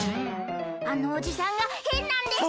あのおじさんがへんなんです！